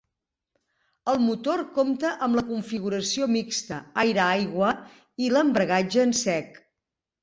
El motor compta amb la configuració mixta aire-aigua i l'embragatge en sec.